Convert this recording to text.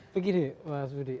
begini mas budi